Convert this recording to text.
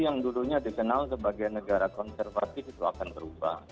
yang dulunya dikenal sebagai negara konservatif itu akan berubah